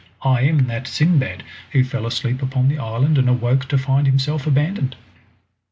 I am that Sindbad who fell asleep upon the island and awoke to find himself abandoned!"